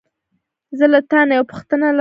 زه له تا نه یوه پوښتنه لرم.